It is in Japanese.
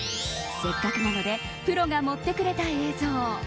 せっかくなのでプロが盛ってくれた映像。